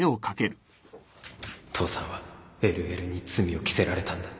父さんは ＬＬ に罪を着せられたんだ